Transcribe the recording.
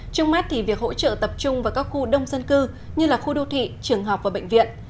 trong mắt thì việc hỗ trợ tập trung vào các khu đông dân cư như là khu đô thị trường học và bệnh viện